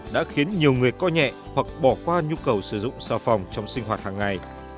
đã khiến nhiều người coi nhẹ hoặc bỏ qua nhu cầu sử dụng xà phòng trong sinh hoạt hàng ngày